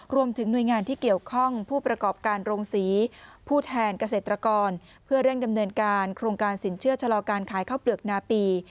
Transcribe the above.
รวมถึงหน่วยงานที่เกี่ยวข้องผู้ประกอบการโรงศรีผู้แทนเกษตรกรเพื่อเร่งดำเนินการโครงการสินเชื่อชะลอการขายข้าวเปลือกนาปี